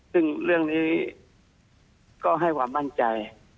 ซึ่งเรื่องนี้ก็ให้ความมั่นใจ